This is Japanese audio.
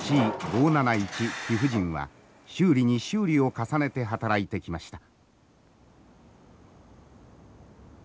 Ｃ５７１貴婦人は修理に修理を重ねて働いてきました。